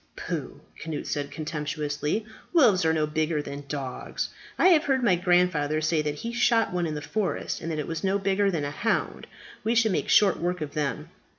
"Pooh!" Cnut said contemptuously. "Wolves are no bigger than dogs. I have heard my grandfather say that he shot one in the forest, and that it was no bigger than a hound. We should make short work of them."